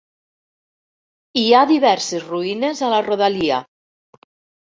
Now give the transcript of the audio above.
Hi ha diverses ruïnes a la rodalia.